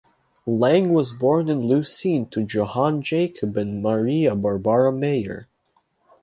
Lang was born in Lucene to Johann Jakob and Maria Barbara Meyer.